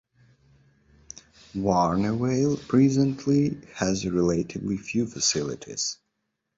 Warnervale presently has relatively few facilities.